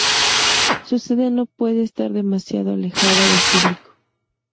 Su sede no puede estar demasiado alejada del público.